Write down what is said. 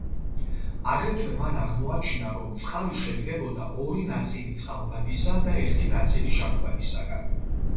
აგრეთვე მან აღმოაჩინა, რომ წყალი შედგებოდა ორი ნაწილი წყალბადისა და ერთი ნაწილი ჟანგბადისაგან.